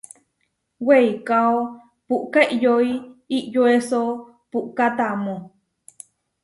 Weikáo puʼká iʼyoi iʼyoeso puʼká tamó.